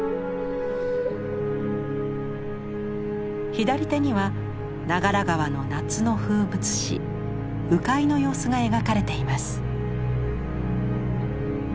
左手には長良川の夏の風物詩鵜飼いの様子が描かれています。